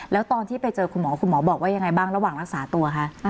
แล้วตอนที่ไปเจอคุณหมอคุณหมอบอกว่ายังไงบ้างระหว่างรักษาตัวคะ